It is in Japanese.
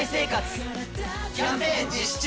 キャンペーン実施中！